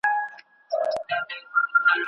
ژوند سرود